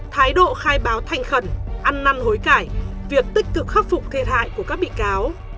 thái độ khai báo thành khẩn ăn năn hối cải việc tích cực khắc phục thiệt hại của các bị cáo